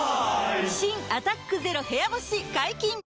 新「アタックＺＥＲＯ部屋干し」解禁‼